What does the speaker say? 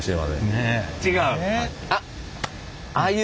違う？